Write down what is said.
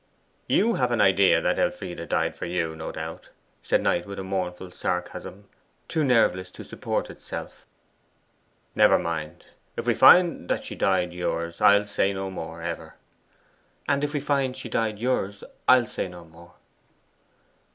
'You have an idea that Elfride died for you, no doubt,' said Knight, with a mournful sarcasm too nerveless to support itself. 'Never mind. If we find that that she died yours, I'll say no more ever.' 'And if we find she died yours, I'll say no more.